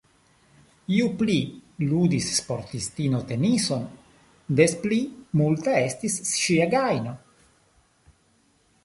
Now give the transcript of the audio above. Ju pli ludis sportistino tenison, des pli multa estis ŝia gajno.